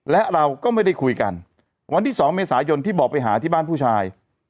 และเราก็ไม่ได้คุยกันวันที่๒เมษายนที่บอกไปหาที่บ้านผู้ชาย